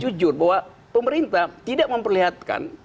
jujur bahwa pemerintah tidak memperlihatkan